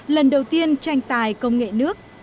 lần đầu tiên tranh tài công nghệ nước